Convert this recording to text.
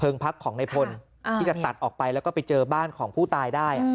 พักของในพลที่จะตัดออกไปแล้วก็ไปเจอบ้านของผู้ตายได้